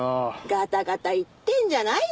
ガタガタ言ってんじゃないよ！